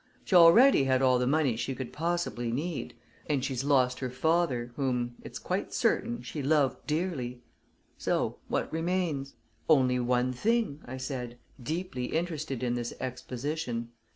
She already had all the money she could possibly need; and she's lost her father, whom, it's quite certain, she loved dearly. So what remains?" "Only one thing," I said, deeply interested in this exposition.